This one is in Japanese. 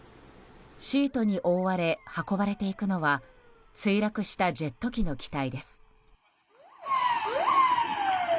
シートに覆われ運ばれていくのは墜落したジェット機の機体です。